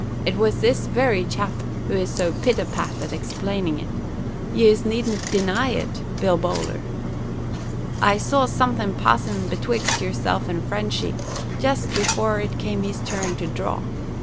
It was this very chap who is so pit a pat at explainin' it. Yez needn't deny it, Bill Bowler. I saw somethin' passin' betwixt yerself and Frenchy, jest before it come his turn to dhraw.